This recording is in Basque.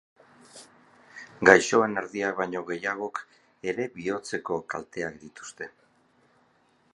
Gaixoen erdiak baino gehiagok ere bihotzeko kalteak dituzte.